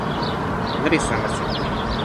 ona li sama sina.